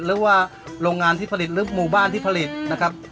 หรือว่าโรงงานที่ผลิตหรือหมู่บ้านที่ผลิตนะครับ